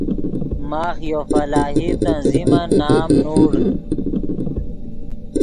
ماخ یو فلاحی تنظیمن نام نوڑ